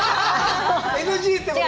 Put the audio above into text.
ＮＧってことでね。